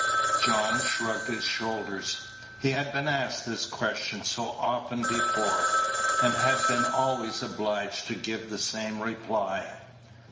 John shrugged his shoulders. He had been asked this question so often before, and had been always obliged to give the same reply.